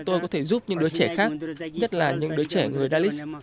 để tôi có thể giúp những đứa trẻ khác nhất là những đứa trẻ người dalit